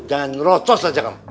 jangan rocos aja kamu